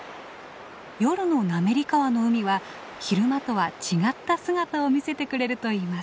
夜の滑川の海は昼間とは違った姿を見せてくれるといいます。